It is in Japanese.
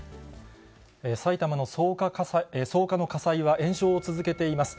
埼玉の草加の火災は延焼を続けています。